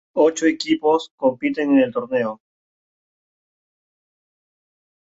Ocho equipos compiten en el torneo.